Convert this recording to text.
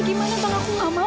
gimana kalau aku gak mau